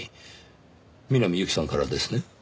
南侑希さんからですね？